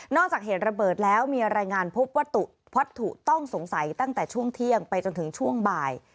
จากเหตุระเบิดแล้วมีรายงานพบวัตถุวัตถุต้องสงสัยตั้งแต่ช่วงเที่ยงไปจนถึงช่วงบ่าย